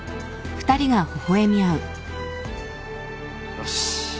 よし。